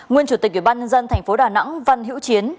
nguyên chủ tịch ubnd thành phố đà nẵng văn hữu chiến